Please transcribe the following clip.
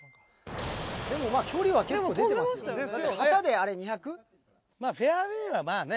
でもまあ距離は結構出てますよ。ですよね？